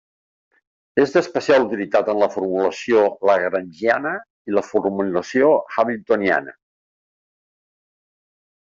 És d'especial utilitat en la formulació lagrangiana i la formulació hamiltoniana.